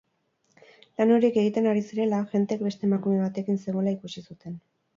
Lan horiek egiten ari zirela, agenteek beste emakume batekin zegoela ikusi zuten.